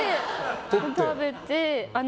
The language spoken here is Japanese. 食べて。